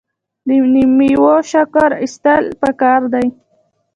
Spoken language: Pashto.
د میوو شکر ایستل پکار دي.